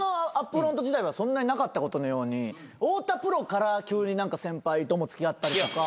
フロント時代はそんなになかったことのように太田プロから急に先輩とも付き合ったりとか。